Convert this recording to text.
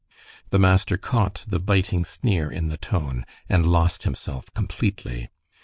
The master caught the biting sneer in the tone, and lost himself completely.